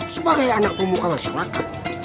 sebagai anak umum kemasyarakat